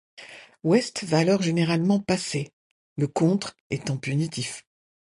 Ouest va alors généralement passer, le contre étant punitif.